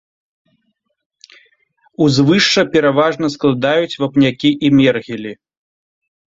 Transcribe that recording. Узвышша пераважна складаюць вапнякі і мергелі.